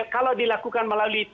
kalau dilakukan melalui